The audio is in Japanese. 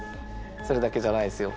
それだけじゃないですよ。